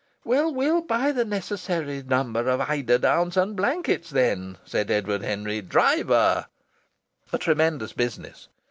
"Well, we'll buy the necessary number of eider downs and blankets, then," said Edward Henry. "Driver " A tremendous business!